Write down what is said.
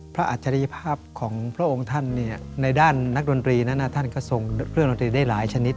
อัจฉริยภาพของพระองค์ท่านในด้านนักดนตรีนั้นท่านก็ส่งเครื่องดนตรีได้หลายชนิด